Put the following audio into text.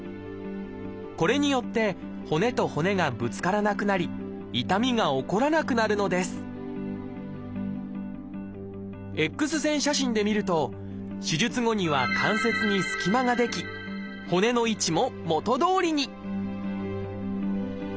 これによって骨と骨がぶつからなくなり痛みが起こらなくなるのですＸ線写真で見ると手術後には関節に隙間が出来骨の位置も元どおりに！